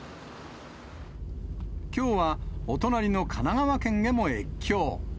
きょうは、お隣の神奈川県へも越境。